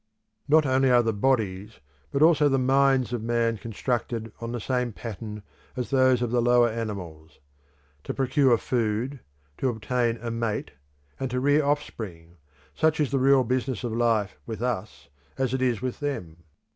Not only are the bodies, but also the minds of man constructed on the same pattern as those of the lower animals. To procure food; to obtain a mate; and to rear offspring; such is the real business of life with us as it is with them.